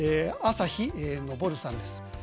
あさひのぼるさんです。